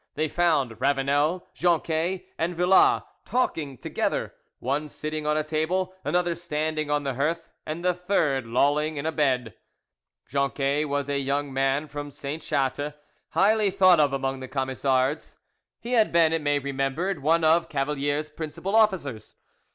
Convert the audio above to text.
They found Ravanel, Jonquet, and Villas talking together, one sitting on a table, another standing on the hearth, and the third lolling on a bed. Jonquet was a young man from Sainte Chatte, highly thought of among the Camisards. He had been, it may be remembered, one of Cavalier's principal officers.